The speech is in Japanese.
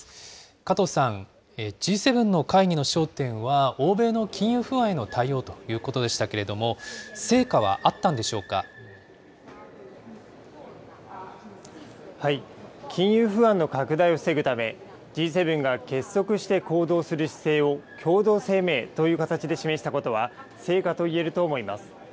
加藤さん、Ｇ７の会議の焦点は、欧米の金融不安への対応ということでしたけれども、成果はあった金融不安の拡大を防ぐため、Ｇ７が結束して行動する姿勢を共同声明という形で示したことは、成果と言えると思います。